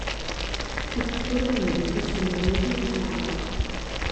È tuttora inedito sulle reti in chiaro.